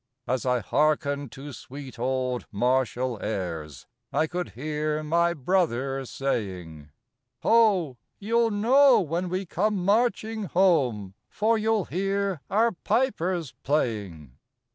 As I hearkened to sweet old martial airs I could hear my brother saying: "Ho! you'll know when we come marching home, For you'll hear our pipers playing."